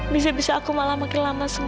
bisa bisa aku malah makin lama sembuh